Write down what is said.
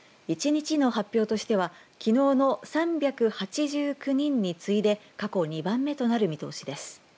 １日の発表としてはきのうの３８９人に次いで過去２番目となる見通しです。